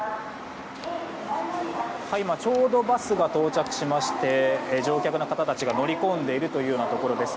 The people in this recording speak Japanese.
今ちょうどバスが到着しまして乗客の方たちが乗り込んでいるところです。